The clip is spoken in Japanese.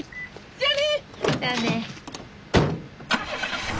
じゃあね。